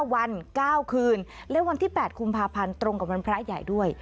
วัน๙คืนและวันที่๘กุมภาพันธ์ตรงกับวันพระใหญ่ด้วย